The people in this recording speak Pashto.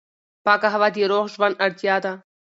پاکه هوا د روغ ژوند اړتیا ده.